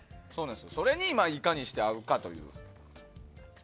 それにいかにして合うかという。